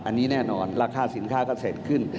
อันนี้แน่นอนราคาสินค้าก็เสร็จขึ้น